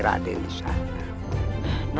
raden di sana